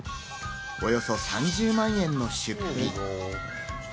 およそ３０万円の出費。